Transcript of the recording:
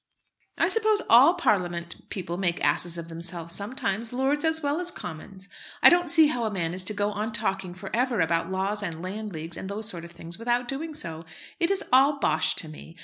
"I suppose all Parliament people make asses of themselves sometimes, Lords as well as Commons. I don't see how a man is to go on talking for ever about laws and landleagues, and those sort of things without doing so. It is all bosh to me.